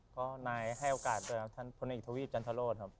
ก็นายใหให้โอกาสตอนนั้นครับ